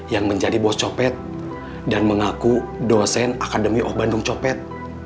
yang menjadi bos copet dan mengaku dosen akademi of bandung copet